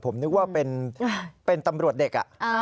ผมนึกว่าเป็นตำรวจเด็ก